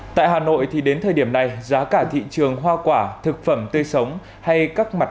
tại hà nội thì đến thời điểm này giá cả thị trường hoa quả thực phẩm tươi sống hay các mặt